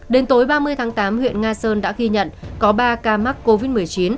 đến tối ba mươi tháng tám huyện nga sơn đã ghi nhận có ba ca mắc covid một mươi chín